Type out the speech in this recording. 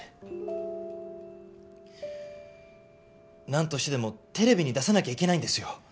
なんとしてでもテレビに出さなきゃいけないんですよ。